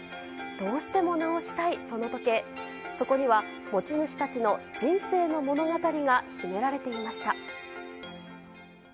どうしても直したいその時計、そこには持ち主たちの人生の物語が秘められていました。